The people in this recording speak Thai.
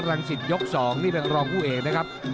รังสิตยก๒นี่เป็นรองผู้เอกนะครับ